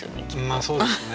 まあそうですね。